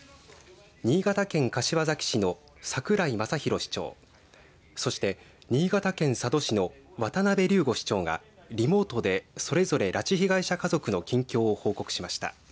新潟県柏崎市の櫻井雅浩市長そして新潟県佐渡市の渡辺竜五市長がリモートで、それぞれ拉致被害者家族の近況を報告しました。